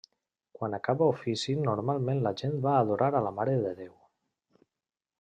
Quan acaba ofici normalment la gent va a adorar a la Mare de Déu.